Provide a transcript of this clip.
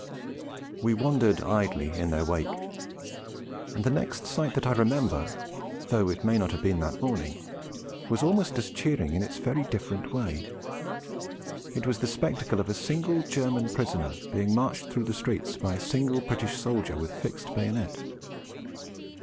We wandered idly in their wake; and the next sight that I remember, though it may not have been that morning, was almost as cheering in its very different way. It was the spectacle of a single German prisoner, being marched through the streets by a single British soldier with fixed bayonet.